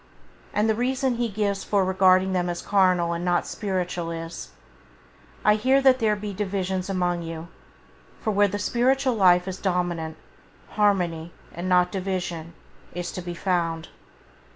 And the reason he gives for regarding them as carnal and not spiritual is: "I hear that there be divisions among you"; for where the spiritual life is dominant, harmony, and not division, is to be found.